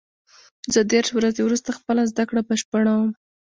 زه دېرش ورځې وروسته خپله زده کړه بشپړوم.